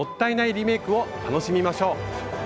リメイクを楽しみましょう！